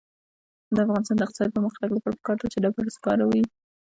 د افغانستان د اقتصادي پرمختګ لپاره پکار ده چې ډبرو سکاره وي.